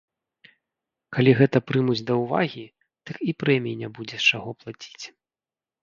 Калі гэта прымуць да ўвагі, дык і прэміі не будзе з чаго плаціць.